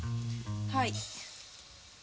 はい。